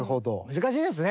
難しいですね。